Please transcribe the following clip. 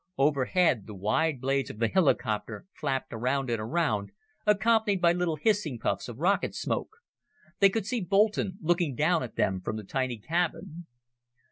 Overhead, the wide blades of the helicopter flapped around and around, accompanied by little hissing puffs of rocket smoke. They could see Boulton looking down at them from the tiny cabin.